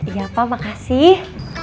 iya pak makasih